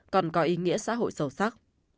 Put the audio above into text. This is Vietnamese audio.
còn có ý nghĩa xã hội sầu sắc